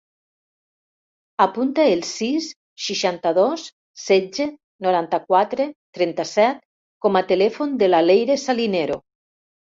Apunta el sis, seixanta-dos, setze, noranta-quatre, trenta-set com a telèfon de la Leyre Salinero.